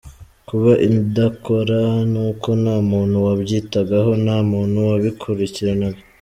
Kuba idakora ni uko nta muntu wabyitagaho, nta muntu wabikurikiranaga.